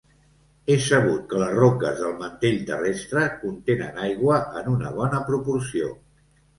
És sabut que les roques del mantell terrestre contenen aigua en una bona proporció.